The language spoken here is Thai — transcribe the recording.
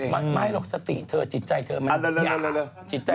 ไม่ไม่สติเธอจิตใจเธอมันยะ